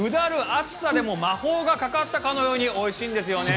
暑さでも魔法がかかったかのようにおいしいんですよね。